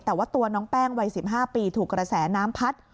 แต่ว่าตัวน้องแป้งวัย๑๕ปีถูกกระแสน้ำพัด